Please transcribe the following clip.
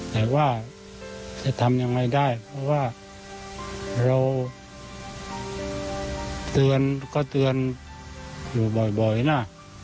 แต่ว่าจะทำยังไงได้เพราะว่าเราเตือนก็เตือนอยู่บ่อยนะ